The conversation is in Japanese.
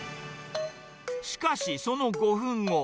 しかしその５分後。